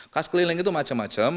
kas keliling itu macam macam